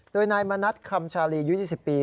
โดยนายมณัฐคำชาลีอายุ๒๐ปี